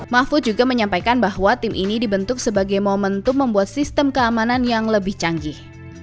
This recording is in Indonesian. mahfud juga menyampaikan bahwa tim ini dibentuk sebagai momentum membuat sistem keamanan yang lebih canggih